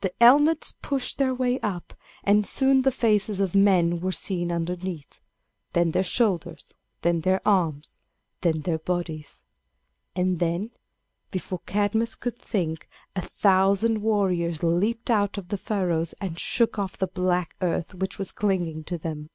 The helmets pushed their way up, and soon the faces of men were seen underneath, then their shoulders, then their arms, then their bodies; and then, before Cadmus could think, a thousand warriors leaped out of the furrows and shook off the black earth which was clinging to them.